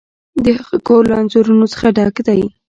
د هغه کور له انځورونو څخه ډک دی.